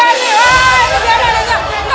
udah kita hubungin aja